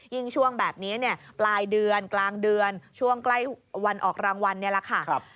ช่วงแบบนี้เนี่ยปลายเดือนกลางเดือนช่วงใกล้วันออกรางวัลนี่แหละค่ะ